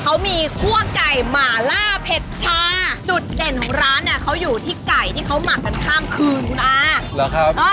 เขามีคั่วกไก่หมาล่าเป็ดชาจุดเด่นของร้านเขาอยู่ป่ะปุ๊บไม่ใช่ววลซึ่งอยู่ที่ไก่ที่เขามะกันข้ามคืนคุณอ่า